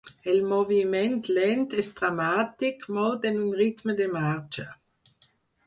El moviment lent és dramàtic, molt en un ritme de marxa.